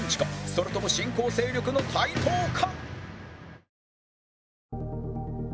それとも新興勢力の台頭か？